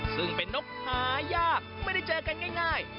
ซึ่งเป็นนกหายากไม่ได้เจอกันง่าย